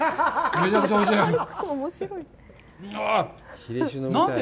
めちゃくちゃおいしい。